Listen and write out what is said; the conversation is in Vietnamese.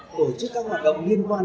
tổ chức các hoạt động liên quan